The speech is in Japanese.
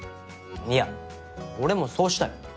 いや俺もそうしたい。